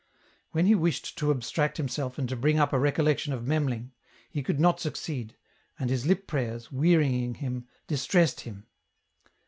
When he wished to abstract himself and to bnng up a recollection of Memling, he could not succeed, and his lip prayers, wearying him, distressed him.